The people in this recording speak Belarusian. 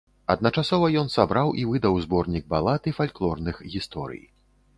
Адначасова ён сабраў і выдаў зборнік балад і фальклорных гісторый.